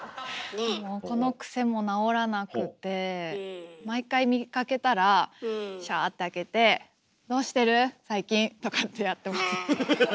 もうこの癖も直らなくて毎回見かけたらシャーって開けてとかってやってます。